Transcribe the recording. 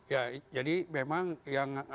ya jadi memang yang